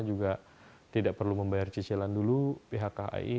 juga tidak perlu membayar cicilan dulu pihak kai